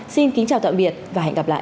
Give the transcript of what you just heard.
xin kính chào tạm biệt và hẹn gặp lại